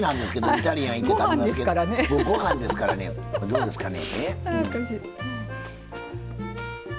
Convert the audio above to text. イタリアン行って食べますけどご飯ですから、どうですかね。